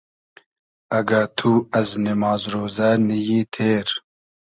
اگۂ تو از نیماز رۉزۂ نی یی تېر